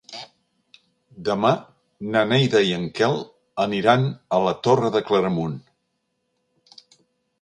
Demà na Neida i en Quel aniran a la Torre de Claramunt.